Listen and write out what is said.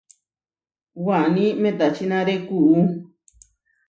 Waní metačinare kuú.